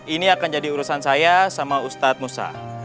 ini akan jadi urusan saya sama ustadz musa